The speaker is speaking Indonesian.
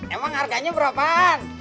emang harganya berapaan